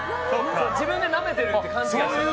自分でなめてるって勘違いして。